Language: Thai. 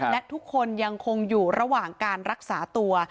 และทุกคนยังคงอยู่ระหว่างการรักษาตัว